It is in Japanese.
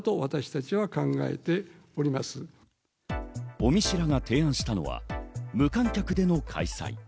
尾身氏らが提案したのは無観客での開催。